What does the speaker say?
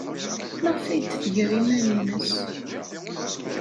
Maɣef ay d-tger iman-nnes?